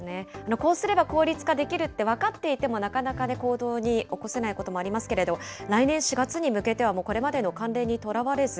こうすれば効率化できるって分かっていても、なかなか行動に起こせないこともありますけれども、来年４月に向けては、これまでの慣例にとらわれず、